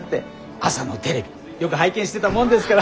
朝のテレビよく拝見してたもんですから。